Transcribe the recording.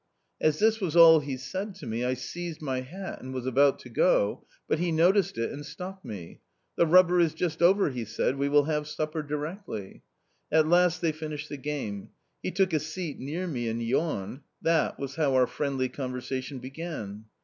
As this was all he said to me, I seized my hat and was about to go, but he noticed it and stopped me. "The rubber is just over," he said, "we will have supper directly." At last they finished the game. He took a seat near me and yawned ; that was how our friendly conversation began.